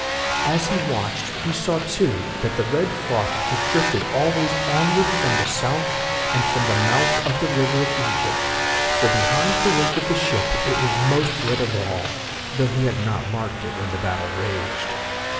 As he watched he saw, too, that the red froth was drifted always onward from the South and from the mouth of the River of Egypt, for behind the wake of the ship it was most red of all, though he had not marked it when the battle raged.